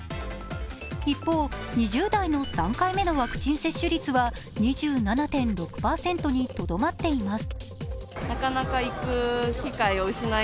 一方、２０代の３回目のワクチン接種率は２７．６％にとどまっています。